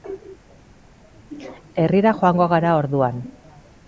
Herrira joango gara, orduan.